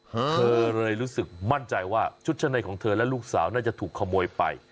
เธอเลยรู้สึกมั่นใจว่าชุดชั้นในของเธอและลูกสาวน่าจะถูกขโมยไป